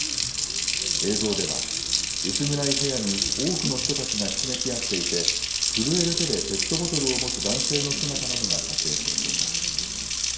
映像では、薄暗い部屋に多くの人たちがひしめき合っていて、震える手でペットボトルを持つ男性の姿などが撮影されています。